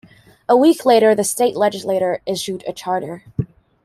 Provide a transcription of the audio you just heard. A week later, the state legislature issued a charter.